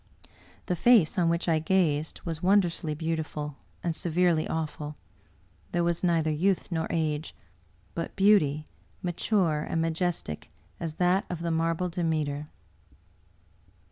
The face on which I gazed was wondrously beautiful, and severely awful. There was neither youth nor age, but beauty, mature and majestic as that of a marble Demeter.